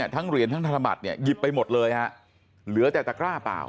ทั้งเหรียญทั้งธนบัตรเนี่ยหยิบไปหมดเลยฮะเหลือแต่ตะกร้าเปล่า